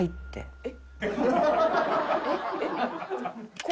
えっ！？